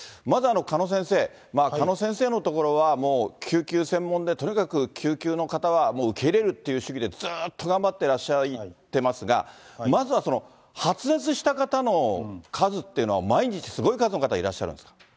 まず鹿野先生、鹿野先生の所は、もう救急専門で、とにかく救急の方はもう受け入れるっていう主義でずっと頑張ってらっしゃっていますが、まずは発熱した方の数っていうのは、毎日、すごい数の方いらっしゃるんですか。